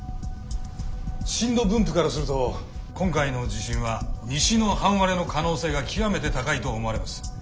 震度分布からすると今回の地震は西の半割れの可能性が極めて高いと思われます。